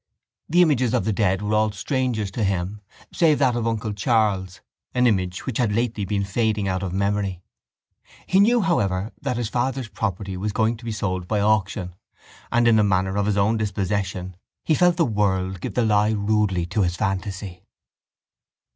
The images of the dead were all strangers to him save that of uncle Charles, an image which had lately been fading out of memory. He knew, however, that his father's property was going to be sold by auction, and in the manner of his own dispossession he felt the world give the lie rudely to his phantasy.